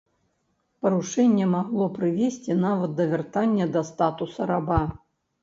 Парушэнне магло прывесці нават да вяртання да статуса раба.